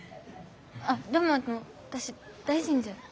あでもあの私大臣じゃ。